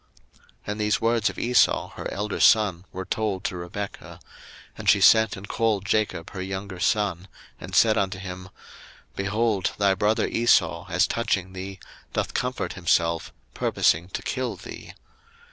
01:027:042 And these words of Esau her elder son were told to Rebekah: and she sent and called Jacob her younger son, and said unto him, Behold, thy brother Esau, as touching thee, doth comfort himself, purposing to kill thee.